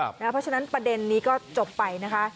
เพราะฉะนั้นประเด็นนี้ก็จบไปนะคะ